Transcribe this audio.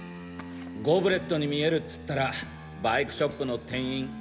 ゴブレットに見えるっつったらバイクショップの店員！